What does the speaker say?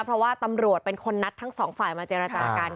เพราะว่าตำรวจเป็นคนนัดทั้งสองฝ่ายมาเจรจากัน